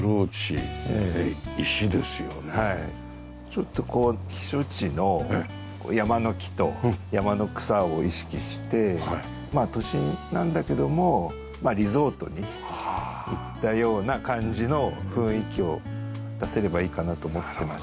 ちょっとこう避暑地の山の木と山の草を意識して都心なんだけどもリゾートに行ったような感じの雰囲気を出せればいいかなと思ってまして。